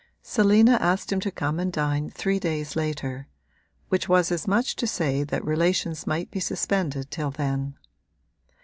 Selina asked him to come and dine three days later; which was as much as to say that relations might be suspended till then.